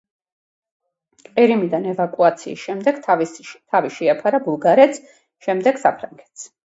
ყირიმიდან ევაკუაციის შემდეგ თავი შეაფარა ბულგარეთს, შემდეგ საფრანგეთს.